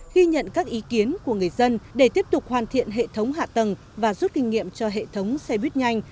ghi nhận các ý kiến của người dân để tiếp tục hoàn thiện hệ thống hạ tầng và rút kinh nghiệm cho hệ thống xe buýt nhanh